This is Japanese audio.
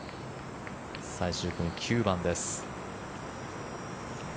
最終組、９番です。